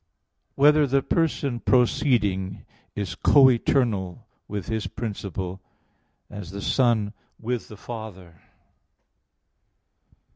2] Whether the Person Proceeding Is Co eternal with His Principle, As the Son with the Father?